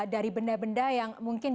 dari benda benda yang mungkin